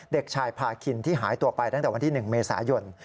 เด็กชายพาคินที่หายตัวไปตั้งแต่วันที่๑เมษายน